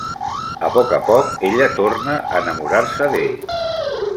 A poc a poc ella torna a enamorar-se d'ell.